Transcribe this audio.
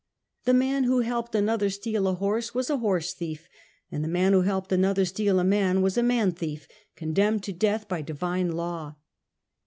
The man who helped another steal a horse, was a horse thief, and the man who helped another steal a man, was a man thief, condemned to death by divine law.